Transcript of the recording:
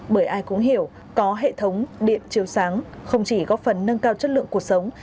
bởi ai cũng hiểu có hệ thống điện chiếu sáng không chỉ góp phần nâng cao chất lượng cuộc sống